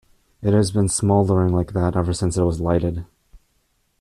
It has been smouldering like that ever since it was lighted.